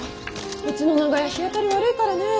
うちの長屋日当たり悪いからねえ。